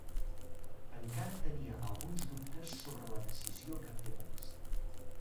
Encara tenia alguns dubtes sobre la decisió que havia pres.